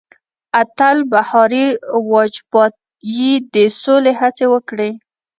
اتل بهاري واجپايي د سولې هڅې وکړې.